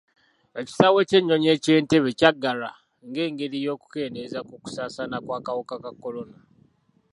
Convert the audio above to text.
Ekisaawe ky'ennyonyi eky' Entebbe kyaggalwa ngengeri y'okukendeeza ku kusaasaana kw'akawuka ka kolona.